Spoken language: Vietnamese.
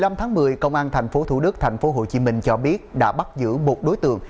ngày một mươi năm tháng một mươi công an tp thủ đức tp hồ chí minh cho biết đã bắt giữ một đối tượng